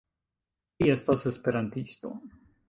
Li estas esperantisto